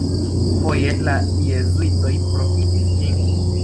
Foje la jezuitoj profitis ĝin.